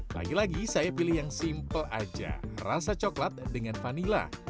lagi lagi saya pilih yang simple aja rasa coklat dengan vanila